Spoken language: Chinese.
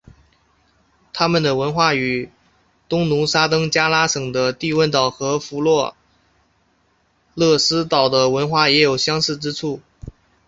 他们的文化与东努沙登加拉省的帝汶岛和弗洛勒斯岛的文化也有相似之处。